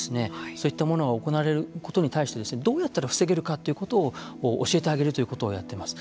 そういったものが行われることに対してどうやったら防げるかということを教えてあげるということをやっています。